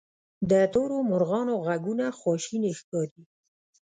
د تورو مرغانو ږغونه خواشیني ښکاري.